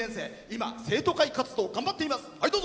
今、生徒会活動を頑張っています。